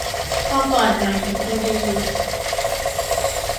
พอก่อนไหมคนดี